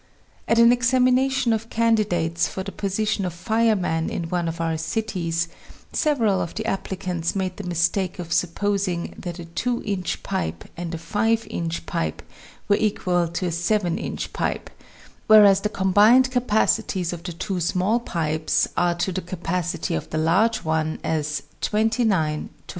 At an examination of candi dates for the position of fireman in one of our cities, several of the applicants made the mistake of supposing that a two inch pipe and a five inch pipe were equal to a seven inch pipe, whereas the combined capacities of the two small pipes are to the capacity of the large one as 29 to 49.